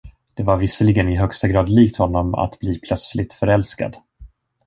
Det var visserligen i högsta grad likt honom att bli plötsligt förälskad.